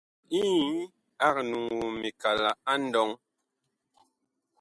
Inyi ag nuŋuu mikala nlɔŋ.